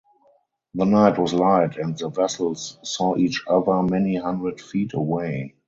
The night was light and the vessels saw each other many hundred feet away.